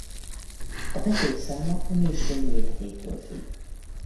A peték száma a nőstény méretétől függ.